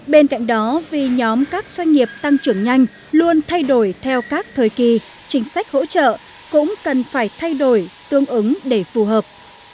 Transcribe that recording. bên cạnh đó vì nhóm các doanh nghiệp tăng trưởng nhanh luôn thay đổi theo các thời kỳ chính sách hỗ trợ cũng cần phải thay đổi tương ứng để phù hợp